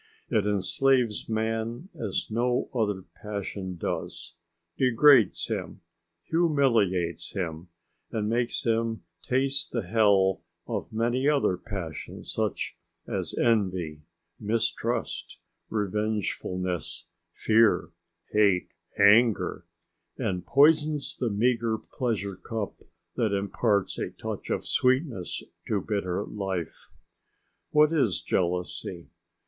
It enslaves man as no other passion does; degrades him, humiliates him, and makes him taste the hell of many other passions, such as envy, mistrust, revengefulness, fear, hate, anger, and poisons the meagre pleasure cup that imparts a touch of sweetness to bitter life. What is jealousy?